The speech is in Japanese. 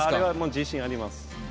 自信あります。